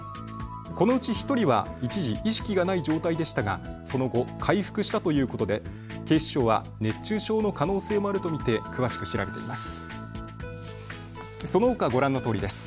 このうち１人は一時意識がない状態でしたがその後、回復したということで警視庁は熱中症の可能性もあると見て詳しく調べています。